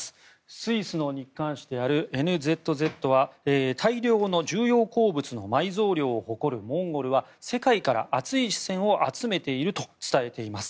スイスの日刊紙であるＮＺＺは大量の重要鉱物の埋蔵量を誇るモンゴルは世界から熱い視線を集めていると伝えています。